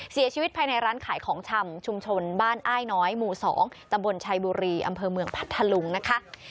เสียชีวิตภายในร้านขายของชำชุมชนบ้านอ้ายน้อยหมู่๒ตำบลชัยบุรีอำเภอเมืองพัทธลุงนะคะ